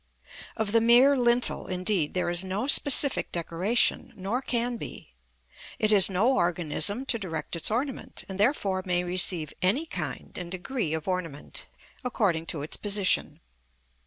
Of the mere lintel, indeed, there is no specific decoration, nor can be; it has no organism to direct its ornament, and therefore may receive any kind and degree of ornament, according to its position.